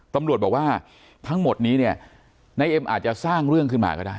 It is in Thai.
ตำรวจบอกว่าทั้งหมดนี้เนี่ยนายเอ็มอาจจะสร้างเรื่องขึ้นมาก็ได้